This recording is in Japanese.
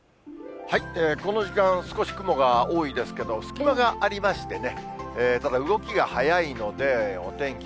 この時間、少し雲が多いですけど、隙間がありましてね、ただ、動きが早いので、お天気